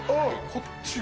こっちが。